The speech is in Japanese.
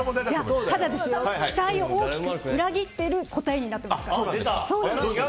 ただ、期待を大きく裏切ってる答えになっていますから。